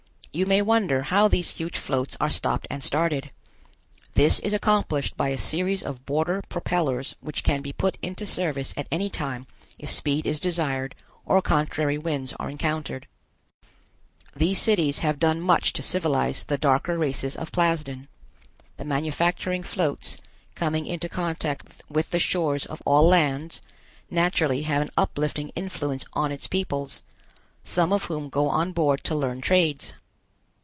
You may wonder how these huge floats are stopped and started. This is accomplished by a series of border propellors which can be put into service at any time if speed is desired or contrary winds are encountered. These cities have done much to civilize the darker races of Plasden. The manufacturing floats, coming into contact with the shores of all lands, naturally have an uplifting influence on its peoples, some of whom go on board to learn trades.